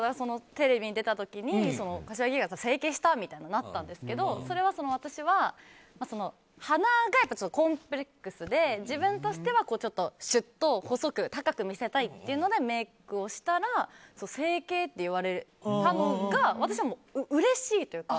テレビに出た時に柏木由紀は整形した？みたいになったんですけどそれは、私は鼻がコンプレックスで自分としてはしゅっと細く高く見せたいというのでメイクをしたら整形って言われたのが私はうれしいというか。